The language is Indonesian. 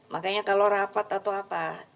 makanya kalau rapat atau apa